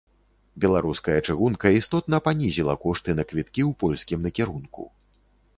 Беларуская чыгунка істотна панізіла кошты на квіткі ў польскім накірунку.